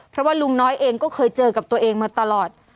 เพราะว่าลุงน้อยเองก็เคยเจอกับตัวเองมาตลอด